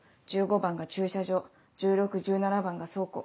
１５番が駐車場１６・１７番が倉庫。